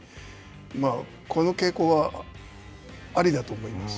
まあこの傾向はありだと思います。